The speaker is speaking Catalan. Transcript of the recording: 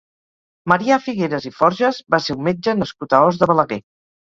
Marià Figueres i Forges va ser un metge nascut a Os de Balaguer.